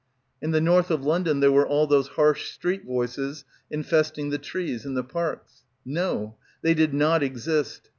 In the north of London there were all those harsh street voices infesting the trees and the parks. No! they did not exist.